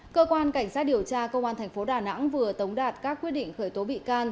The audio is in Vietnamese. cơ quan cảnh sát điều tra công an tp đà nẵng vừa tống đạt các quyết định khởi tố bị can